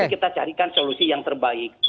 saya pikir itu yang perlu kita lakukan